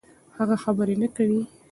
هغه خبرې نه کوي.